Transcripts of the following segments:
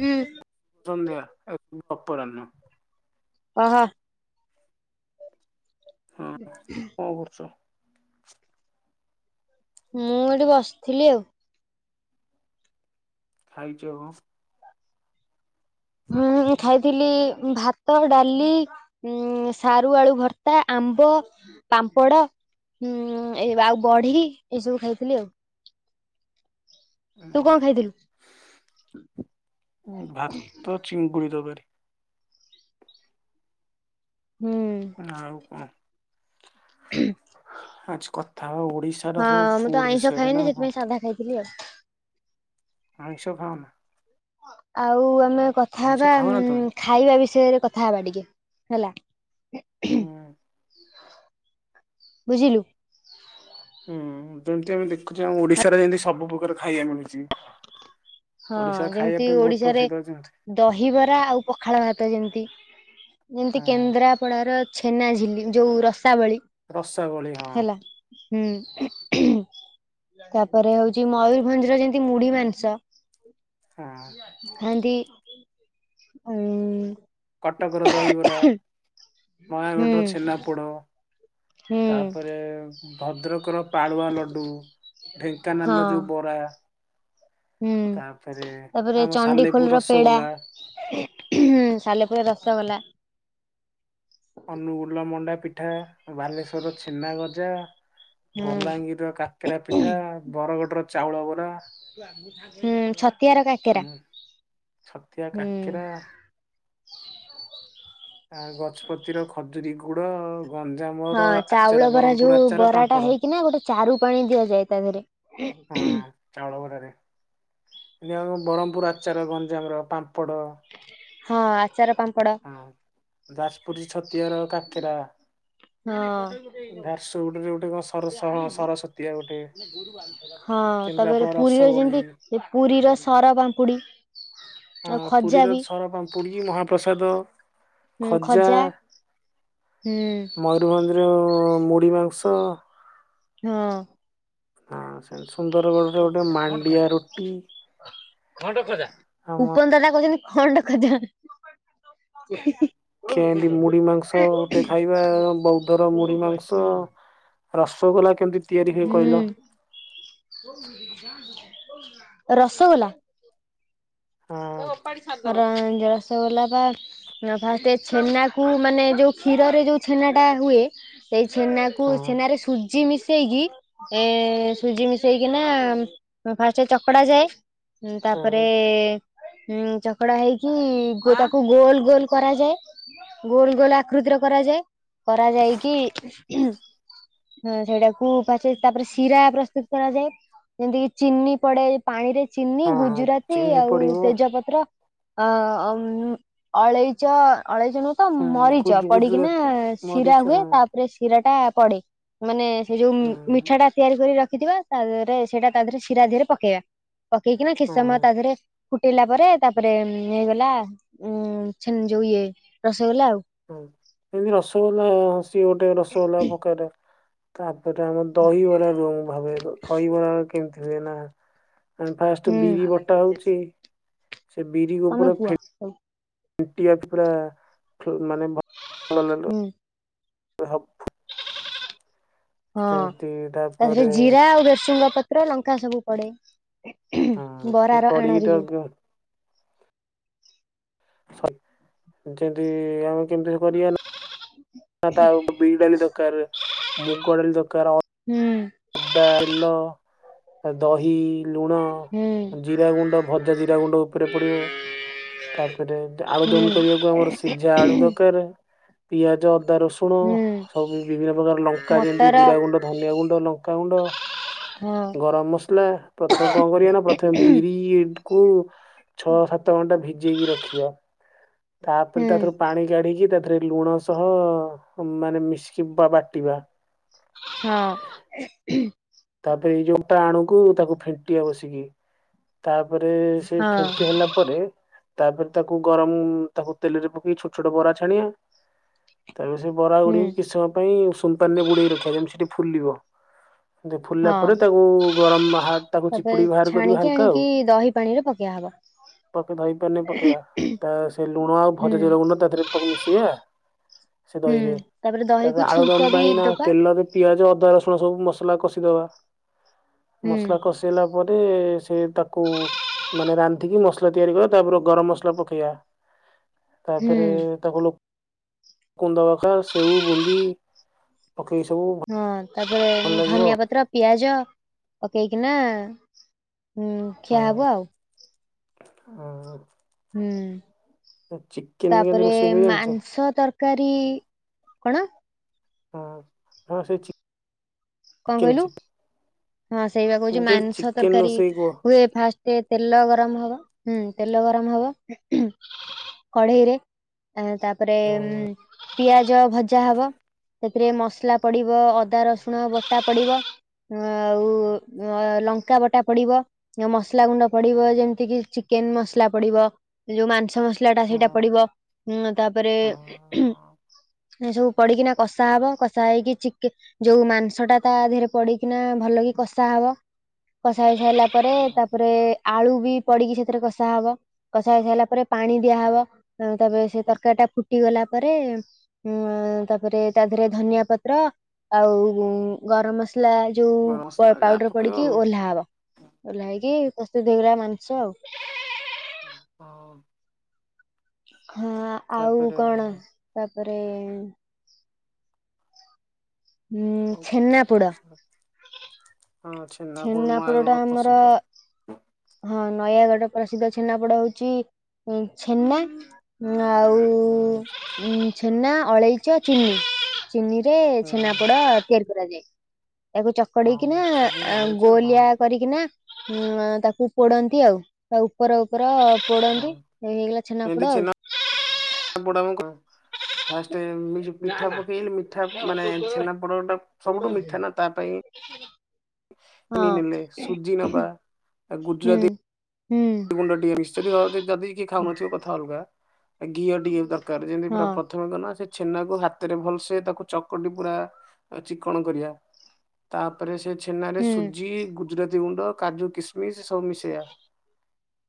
ହୁଁ। ସଂଧ୍ୟା ଏ ଅପରାହ୍ନ। ଓହୋ। ହଁ କଣ କରୁଚ? ମୁଁ ଏଠି ବସିଥିଲି ଆଉ। ଖାଇଚ କଣ? ମୁଁ ଖାଇଥିଲି ଉଁ ଭାତ, ଡାଲି। ଉଁ ସାରୁ, ଆଳୁ ଭର୍ତ୍ତା, ଆମ୍ବ, ପାମ୍ପଡ। ହୁଁ ଏ ବ ଆଉ ବଢି ଏଇସବୁ ଖାଇଥିଲି ଆଉ। ତୁ କଣ ଖାଇଥିଲୁ? ଉଁ ଭାତ, ଚିଙ୍ଗୁଡ଼ି ତରକାରୀ। ହୁଁ। ଆଉ କଣ? ଆଜ କଥା ହବା ଓଡ଼ିଶ୍ ହଁ ମୁଁ ତ ଆଇଁଷ ଖାଏନି। ସେଥିପାଇଁ ସାଧା ଖାଇଥିଲି ଆଉ। ଆଇଁଷ ଖାଅନା? ଆଉ ଆମେ କଥା ଆଇଁଷ ହବା ଖାଅନା ଉଁ ତମେ? ଖାଇବା ବିଷୟରେ କଥା ହବା ଟିକେ ହେଲା। ହୁଁ। ବୁଝିଲୁ। ହୁଁ ଯେମିତି ଆମେ ଦେଖୁଚ ଆମ ଓଡିଶାରେ ଯେମିତି ସବୁ ପ୍ରକାର ଖାଇବା ମିଳୁଚି। ହଁ ଯେମିତି ଓଡିଶାରେ ପ୍ରସିଦ୍ଧ ଯେମିତି ଦହିବରା ଆଉ ପଖାଳ ଭାତ ଯେମିତି। ଯେମିତି ହଁ କେନ୍ଦ୍ରାପଡାର ଛେନାଝିଲି ଯୋଉ ରସାବଳି। ରସାବଳି ହଁ। ହେଲା। ହୁଁ। ତାପରେ ହଉଚି ମୟରଭଞ୍ଜର ଯେମତି ମୁଢି ମାଂସ। ହଁ। ସେନ୍ତି ଉଁ କଟକର ଦହିବରା। ନୟାଗଡ଼ର ହୁଁ ଛେନାପୋଡ଼। ହୁଁ ତାପରେ ଭଦ୍ରକର ପାଳୁଆ ଲଡ଼ୁ ହଁ ଢେଙ୍କାନାଳର ଯୋଉ ବରା। ହୁଁ ତାପରେ ଆମ ସାଲେପୁର ରସଗୋଲା। ସାଲେପୁୁରର ରସଗୋଲା। ଅନୁଗୁଳର ମଣ୍ଡା ପିଠା। ବାଲେଶ୍ଵରର ଛେନା ଗଜା। ହୁଁ ବଲାଙ୍ଗୀରର କାକ୍ କରା ପିଠା ବରଗଡ଼ର ଚାଉଳ ବରା। ହୁଁ ଛତିଆର ଉଁ କାକେରା ଛତିଆ ହୁଁ। କାକେରା ଆଁ ଗଜପତି ର ଖଜୁରୀ ଗୁଡ଼। ଗଞ୍ଜାମ ହଁ ଚାଉଳ ବରା ଯୋଉ ବରାଟା ହେଇକିନା ଗୋଟେ ଚାରୁ ପାଣି ଦିଆଯାଏ ତା ଦେହରେ। ହଁ ଚାଉଳ ବରାରେ କିନ୍ତୁ ଆମ ବରମ୍ପୁର ଆଚାର ଗଞ୍ଜାମର ପାମ୍ପଡ଼। ହଁ ଆଚାର ପାମ୍ପଡ଼। ହଁ ଯାଜପୁର ଛତିଆର କାକେରା। ହଁ। ଝାରସୁଗୁଡ଼ାରେ ଗୋଟେ କଣ ସର ସହ ସରସତୀଆ ଗୋଟେ। ହଁ ତାପରେ କେନ୍ଦ୍ରାପଡା ପୁରୀର ରସବଳି ଯେମତି ପୁରୀର ସର ପାମ୍ପୁଡି। ହଁ ଆଉ ଖଜା ପୁରୀର ବି ସରପାମ୍ପୁ ପୁଡ଼ି ମହାପ୍ରସାଦ ଖଜା। ହୁଁ ମୟୂରଭଞ୍ଜର ମୁଢ଼ିମାଂସ। ହଁ। ହଁ ସେମିତି ସୁନ୍ଦରଗଡରେ ଗୋଟେ ମାଣ୍ଡିଆ ରୁଟି। ଖଣ୍ଡ ଖଜା ଆମ ଉପନ ଦାଦା କହୁଚନ୍ତି ଖଣ୍ଡ ଖଜା। କେନ୍ତି ମୁଢି ମାଂସ ଗୋଟେ ଖାଇବା ବୌଦ୍ଧର ମୁଢି ମାଂସ। ରସଗୋଲା କେମିତି ତିଆରି ହୁଏ କହିଲ? ହୁଁ ରସଗୋଲା? ହଁ ର ରସଗୋଲା ପା ଉ ଫାଷ୍ଟ ଛେନାକୁୁ ମାନେ ଯୋଉ କ୍ଷୀରରେ ଯୋଉ ଛେନା ଟା ହୁଏ ସେଇ ଛେନାକୁ ହଁ ଛେନାରେ ସୁଜି ମିଶ ମିଶେଇକି ଏ ସୁଜି ମିଶେଇକିନା ଏ ଫାଷ୍ଟ ଚକଡା ଯାଏ। ହୁଁ ହଁ ତାପରେ ହୁଁ ଚକଡା ହେଇକି ଅ ତାକୁ ଗୋଲ ଗୋଲ କରାଯାଏ। ଗୋଲ ଗୋଲ ଆକୃତିର କରାଯାଏ କରାଯାଇକି ଉଁହୁଁ। ହୁଁ ସେଇଟାକୁ ପଛେରେ ତାପରେ ଶିରା ପ୍ରସ୍ତୁତ କରାଯାଏ। ଯେମତିକିି ଚିନି ପଡେ ପାଣିରେ ଚିନି ହଁ ହଁ ଗୁଜୁରାତି ଚିନି ଆଉ ପଡିବ ଅ ପତ୍ର ଆ ଆଉଁ ଅଳେଇଚ ଅଳେଇଚ [unintelligible] ତ ହଁ ମରିଚ ଗୁଜୁ ପଡିକିନା ଗୁଜୁରାତି ଶିରା ମରିଚ ହୁଏ ହଁ ତା ପରେ ଶିରାଟା ପଡେ ମାନେ ସେଇ ଯୋଉ ଉଁ ହଁ ମିଠାଟା ତିଆରି କରି ରଖିଥିବ ତା ଦେହରେ ସେଇଟା ତା ଦେହରେ ଶିରା ଧିଏରେ ପକେଇଆ ପକେଇକିନା କିଛି ହଁ ସମୟ ତା ଧିଏରେ ଫୁଟେଇଲା ପରେ ତାପରେ ଉଁ ହେଇଗଲା ଉଁ ଛେନ୍ ଯୋଉ ଇଏ ରସୋଗୋଲା ଆଉ। ହୁଁ ଏନ୍ତି ରସୋଗୋଲା ହଁ ସିଏ ଗୋଟେ ରସୋଗୋଲା ପକାରେ। ତାପରେ ଆମ ଦହିବରା କେଉଁ ଭାବେ ଦ ଦହିବରା କେମତି ହୁଏ ନା ଆଁ ହୁଁ ଫାଷ୍ଟ୍ ବିରି ବଟା ହଉଚି ସେ ବିରିକୁ ତମେ ପୁରା କୁହ ଫେ ଣ୍ଟିଆ ପୁରା ଫୁ ମାନେ ଭଲର ହୁଁ। [unintelligible] ହଁ ସେମିତି ତାଧେରେ ତାପରେ ଜିରା ଆଉ ଭେସୃଙ୍ଗା ପତ୍ର ଲଙ୍କା ସବୁ ପଡେ। ହଁ ସେ ବରାର ପଡିକି ତ ଆଣରେ ଯୋଉ। ସ ଯେଦି ଆମେ କେମତି କରିଆ ନା ନା ତାର ଓ ବ ବିରିଡାଲି ଦକାରେ ମୁଗଡାଲି ଦରକାର। ହୁଁ। ଡାଇଲ ଦହି ଲୁଣ ହୁଁ ଜିରା ଗୁଣ୍ଡ ଭଜା ଜିରା ଗୁଣ୍ଡ ଉପେରେ ପଡିବ। ତାପରେ ଦା ଆଳୁଦମ୍ ହୁଁ କରିଆକୁ ଆମର ସିଝା ଆଳୁ ଦରକାର ପିଆଜ ଅଦା ରସୁ ତୁଣ ହୁଁ ସବୁ ବିଭିନ୍ନ ପ୍ରକାର ଲଙ୍କା ଯେମତି ମଟର ଜିରା ଗୁଣ୍ଡ ଧନିଆ ଗୁଣ୍ଡ ଲ ଗୁଣ୍ଡ ହଁ ଗ ଗରମ ମସଲା ପ୍ରଥମେ କଁ କରିବା ନା ପ୍ରଥମେ ବିରିଟିକୁ ଛଅ ସାତ ଘଣ୍ଟା ଭିଜେଇକି ରଖିବା ତାପରେ ହୁଁ ତାଧୁରୁ ପାଣି କାଢିକି ତା ଥେରେ ଲୁଣ ସହ ମାନେ ମିଶିକି ବା ବାଟିବା। ହଁ। ତାପରେ ଏଇ ଯୋଉଟା ଆଣୁକୁ ତାକୁ ଫେଣ୍ଟିଆ ବସିକି ତାପରେ ସେ ହଁ ଫେଣ୍ଟି ହେଲା ପରେ ତାପରେ ତାକୁ ଗରମ ତାକୁ ତେଲେରେ ପକେଇ ଛୋଟ ଛୋଟ ବରା ଛାଣିଆ। ତାପରେ ସେ ହୁଁ ବରାଗୁଡିକୁ କିଛି ସମୟ ପାଇଁ ଉଷୁମ ପାଣିରେ ବୁଡେଇ ରଖିଆ ଯେମତି ସିଏ ଟିକେ ଫୁଲିବ। ଦେ ଫୁଲିଲା ହଁ ପରେ ତାକୁ ଗରମ ହା ତାକୁ ତାପରେ ଚିପୁଡିକି ଭାର କରିବ ଛାଣିକି ହାଲକା ଆଉ। ଆଣିକି ଦହି ପାଣିରେ ପକେଇଆହବ। ପକେ ଦହି ପାଣିରେ ପକେଇବା ତା ସେ ଲୁଣ ଆଉ ହୁଁ ଭଜା ଜିରା ଗୁଣ୍ଡ ତାଧେରେ ତାକୁ ମିଶେଇଆ। ସେ ହୁଁ ଦହିରେ ଦହିକୁ ତାପରେ ଛୁଙ୍କ ଆଳୁଦମ୍ ବି ପାଇଁ ନା ଦବା ତେଲ ବି ପିଆଜ ଅଦା ରସୁଣ ସବୁ ମସଲା କଷିଦବା ହୁଁ ମସଲା କଷି ଦେଲା ପରେ ସେ ତାକୁ ମାନେ ରାନ୍ଧିକି ମସଲା ତିଆରି କରିଆ ତାପରେ ଗରମ ମସଲା ପକେଇଆ ହୁଁ ତାପରେ ତାକୁ ଲୋ କୁନ୍ଦ ଅକା ସେଉ ବୁନ୍ଦି ପକେଇକି ସବୁ ଭ ହଁ ତାପରେ ଉଁ ଧନିଆ ପତ୍ର ପିଆଜ ପକେଇକିନା ହୁଁ ଖିଆ ହବ ଆଉ। ହଁ ହଁ। ହୁଁ ଚିକେନ କେମିତି ତାପରେ ରୋଷେଇ ହୁଏ ଜାଣିଛ ମାଂସ ତର୍ କାରୀ କଣ? ହଁ ହଁ ସେଇ ଚ କଁ କହିଲୁ ହଁ ସେଇ ବା କହୁଚି ମୁଁ କହିଲି ମାଂସ ଚିକେନ ତରକାରୀ ରୋଷେଇ କୁହ। ହୁଏ ଫାଷ୍ ଟିକେ ତେଲ ଗରମ ହେବ, ହୁଁ ତେଲ ଗରମ ହବ। କଢେଇରେ ତାପରେ ପିଆଜ ଭଜା ହେବ। ସେଥିରେ ମସଲା ପଡ଼ିବ ଅଦା ରସୁଣ ବଟା ପଡ଼ିବ। ହଁ ଆଉ ଆଁ ଲଙ୍କା ବଟା ପଡିବ। ଆଉ ମସଲା ଗୁଣ୍ଡ ପଡିବ ଯେମିତି କିି ଚିକେନ୍ ମସଲା ପଡିବ। ଯୋଉ ମାଂସ ମସଲା ମସଲାଟା ସେଇଟା ହଁ। ପଡିବ ଉଁ ଆଉ ତାପରେ ଏ ସବୁ। ପଡିକିନା କଷା ହେବ। କଷା ହେଇକି ଚିକେନ୍ ଯୋଉ ମାଂସ ଟା ତା ଦେହରେ ପଡି କାହିଁକି ନା ଭଲ କି କଷା ହବ। କଷା ହୋଇ ସାରିଲା ପରେ ତାପରେ ଆଳୁ ବି ପଡିକି ସେଥିରେ କଷା ହବ। କଷା ହେଇସାରିଲା ପରେ ପାଣି ଦିଆହବ। ତାପରେ ସେ ତରକାରୀ ଟା ଫୁଟି ଗଲା ପରେ ଉଁ ତାପରେ ତା ଦେହରେ ଧନିଆ ପତ୍ର ଆଉ ଗରମ ମସଲା ଯୋଉ ଗରମ ପା ମସଲା ଯାହା ପାଉଡର ପକେଇବ ପଡିକି ଆଉ। ଓହ୍ଲା ହବ। ଓହ୍ଲା ହେଇକି ପ୍ରସ୍ତୁତ ହେଇଗଲା ମାଂସ ଆଉ। ହଁ। ହଁ ଆଉ ତାପରେ କଣ ତାପରେ ଉଁ ଛେନାପୋଡ ହଁ ଅଛି। ଛେନାପୋଡ଼ ଟା ଆମର ହଁ ନୟାଗଡ଼ର ପ୍ରସିଦ୍ଧ ଛେନାପୋଡ଼ ହେଉଛି ଇ ଛେନା। ନା ଆଉ ଆଉ ଉ ଛେନା, ଅଳେଇଚ, ଚିନି। ଚିନିରେ ହୁଁ, ଛେନାପୋଡ ତିଆରି କରାଯାଏ। ତାକୁ ଚକାଟି ଆଉ କିନା ଚିନି ଗୋଳେଇଚ ହଁ ଗୋଲିଆ କରିକିନା ହଁ ତାକୁ ପୋଡନ୍ତି ଆଉ। ତା ଉପ ଉପର ଉପର ପୋଡନ୍ତି। ହଁ ହେଇଗଲା ଛେନାପୋଡ ଆଉ। [unintelligible] ଫାଷ୍ଟେ ମି ପିଠା ପକେଇଲି ମିଠା ମାନେ ଛେନା ପୋଡଟା ସବୁଠୁ ମିଠା ନା ତା ପାଇଁ ହଁ ଚିନି ନେଲେ ସୁଜି ନେବା। ହୁଁ ହୁଁ। ଗୁଣ୍ଡ ଟିକେ ମିଶୁଥିବ ଯଦି କିଏ ଖାଉନଥିବ କଥା ଅଲଗା। ଘିଅ ଟିକେ ଦରକାର ଯେମିତି ପୁରା ହଁ ପ୍ରଥମେ କିନା ଛେନାକୁ ହାତରେ ଭଲସେ ତାକୁ ଚକଟି ପୁରା ଚିକ୍କଣ କରିବା। ତାପରେ ସେ ଛେନାରେ ହୁଁ ସୁଜି, ଗୁଜୁରାତି ଗୁଣ୍ଡ, କାଜୁ, କିସମିସ ସବୁ ମିଶେଇବା।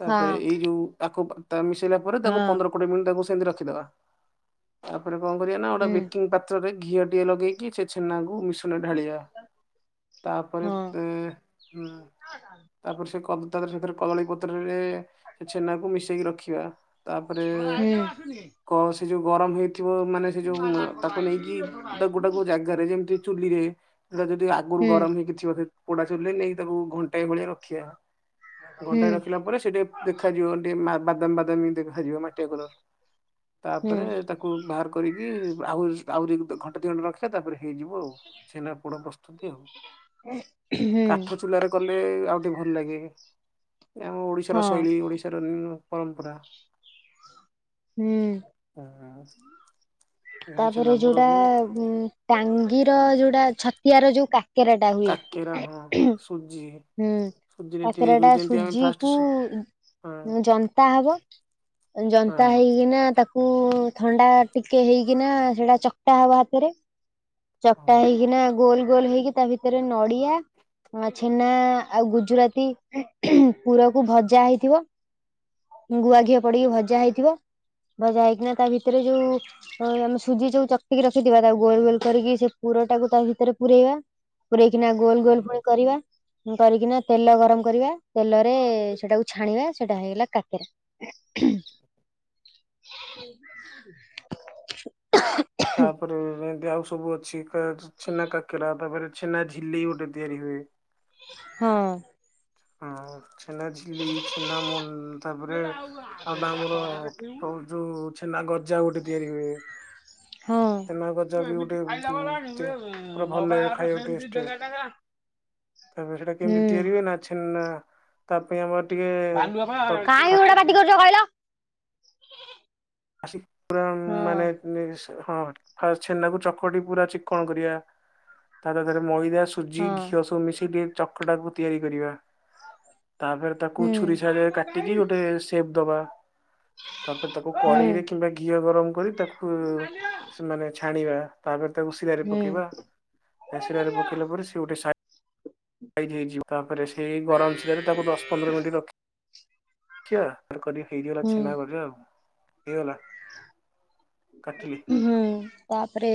ତାପରେ ହଁ ଏଇ ଯୋଉ ତାକୁ ତା ମିଶେଇଲା ପରେ ତାକୁ ହଁ ପନ୍ଦର କୋଡିଏ ମିନିଟ୍ ତାକୁ ସେମିତି ରଖିଦେବା। ତାପରେ କଣ କରିବା ନା ଗୋଟେ ହୁଁ ବେକିଂ ପାତ୍ରରେ ଘିଅ ଟିକେ ଲଗେଇକି ସେ ଛେନାକୁ ମିଶ୍ରଣରେ ଢାଳିବା। ତାପରେ ହଁ ଏ ହୁଁ ତାପରେ ସେ କଦ୍ ସାଥିରେ କଦଳୀ ପ ପାତ୍ରରେ ସେ ଛେନାକୁ ମିଶେଇକି ରଖିବା ତାପରେ ହୁଁ କ ସେ ଯୋଉ ଗରମ ହେଇଥିବ ମାନେ ସେ ଯୋଉ ତାକୁ ନେଇକି ଗୋଟେ ଗୋ ଜାଗାରେ ଜାଗାରେ ଯେମିତି ଚୁଲିରେ ତ ଯଦି ଆଗରୁ ହୁଁ ଗରମ ହେଇକି ଥିବ ସେ ପୋଡା ଚୁଲିରେ ନେଇକି ତାକୁ ଘଣ୍ଟାଏ ଭଳିଆ ରଖିବା। ହୁଁ ଘଣ୍ଟାଏ ରଖି ପରେ ସେ ଟିକେ ଦେଖାଯିବ ଟିକେ ମା ବାଦାମୀ ବାଦାମୀ ଦେଖାଯିବ ମାଟିଆ କଲର। ହୁଁ ତାପରେ ତାକୁ ବାହାର କରିକି ଆହୁରି ଆହୁରି ଘଣ୍ଟେ ଦି ଘଣ୍ଟେ ରଖିବା ତାପରେ ହେଇଯିବ ଆଉ। ଛେନାପୋଡ ପ୍ରସ୍ତୁତି ଆଉ। ହୁଁ କାଠ ଚୁଲାରେ କଲେ ଆଉ ଟିକେ ଭଲ ଲାଗେ। ଆମ ଓଡିଶାର ହଁ ଶୈଳୀ, ଓଡିଶାର ବିଭିନ୍ନ ପରମ୍ପରା ହୁଁ ଅଁହଁ। ତାପରେ ଯୋଉଟା ଟାଙ୍ଗିର ଯୋଉଟା ଛତିଆର ଯୋଉ କା କେରାଟା କାକେରା ହୁଏ ହଁ ସୁଜି ହୁଁ ସୁଜିରେ ତିଆରି ହୁଏ କାକରାଟା ଯେମିତି ଆମେ ସୁଜି ଫାଷ୍ଟ କୁ ସୁ ହଁ ଯନ୍ତା ହବ ହଁ ଜନ୍ତା ହେଇକିନା ତାକୁ କୁ ଥଣ୍ଡା ଟିକେ ହେଇକିନା ସେଟା ଚକଟା ହବ ହାତରେ ହଁ। ଚକଟା ହେଇକିନା ଗୋଲ ଗୋଲ ହେଇକି ତା ଭିତରେ ନଡିଆ ହଁ ଛେନା ଆଉ ଗୁଜୁରାତି ପୁରକୁ ଭଜା ହେଇଥିବ। ଗୁଆ ଘିଅ ପଡିକି ଭଜା ହେଇଥିବ ଭଜା ହେଇକିନା ତା ଭିତରେ ଯୋଉ ଆମେ ସୁଜି ଯୋଉ ଚକଟିକି ରଖିଥିବା ତାକୁ ଗୋଲ ଗୋଲ କରିକି ସେ ପୁର ଟାକୁ ତା ଭିତରେ ପୁରେଇବା। ପୁରେଇକିନା ଗୋଲ ଗୋଲ ହୁଁ। ପୁଣି କରିବା। କରିକିନା ତେଲ ଗରମ କରିବା ତେଲରେ ସେଟାକୁ ଛାଣିବା ସେଇଟା ହେଇଗଲା କାକେରା। ଉଁ [inaudible] [inaudible] ତାପରେ ଏମତି ଆଉସ ସବୁ ଅଛି ଛେନା କାକେରା ତାପରେ ଛେନା ଝିଲି ଗୋଟେ ତିଆରି ହୁଏ। ହଁ। ହଁ ଛେନା ଝିଲି ଛେନା ମ ତାପରେ ଆଉ ଗଟା ଆମର ଯୋଉ ଛେନା ଗଜା ଗୋଟେ ତିଆରି ହୁଏ। ହଁ ଛେନା ଗଜା ବି ଗୋଟେ ପୁରା ଭଲ ଲାଗେ ଖାଇବା ଟେଷ୍ଟ ତାପରେ ସେଟା କେମିତି ହୁଁ ତିଆରିିବେ ନା ଛେନା ତା ପାଇଁ ଆମର ଟିକେ କ କାହିଁ ଥା ଗୁଡା ପାଟି କରୁଚ କହିଲ? ଆସି ପୁରା ହଁ ମାନେ ନିଅସ, ହଁ ଫାସ ଛେନାକୁ ଚକଟି ପୁରା ଚିକଣ କରିବା ତାଧରେ ମଇଦା ସୁଜି ହଁ ଘିଅ ସବୁ ମିଶେଇକି ଟିକେ ଚକଟାକୁ ତିଆରି କରିବା ତାପରେ ତାକୁ ହୁଁ ଛୁରୀ ସାହାଯ୍ୟରେ କାଟିକି ଗୋଟେ ସେପ ଦବା ତାପରେ ତାକୁ ହୁଁ କଡ଼େଇରେ କିମ୍ବା ଘିଅ ଗରମ କରି ତାକୁ ମାନେ ଛାଣିବା ତାପରେ ତାକୁ ଶିରାରେ ହୁଁ ପକେଇବା। ଏ ଶିରାରେ ପକେଇଲା ପରେ ସିଏ ଗୋଟେ ସା ହେଇଯିବ ତାପରେ ସେଇ ଗରମ ଶିରାରେ ତାକୁ ଦଶ ପନ୍ଦର ମିନିଟ୍ ରଖି ରଖିବା କରି ହେଇଯଗଲା ହୁଁ ଛେନା ଗଜା ଆଉ। ହେଇଗଲା କାଟିଲି। ହୁଁ ତାପରେ